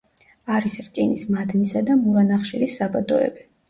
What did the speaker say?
არის რკინის მადნისა და მურა ნახშირის საბადოები.